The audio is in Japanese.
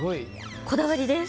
こだわりです。